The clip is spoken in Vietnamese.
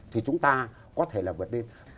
thì chúng ta có thể là vượt lên